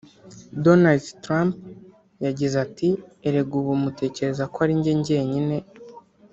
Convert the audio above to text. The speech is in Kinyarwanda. Donald Trump yagize ati "Erega ubu mutekereze kuri jye jyenyine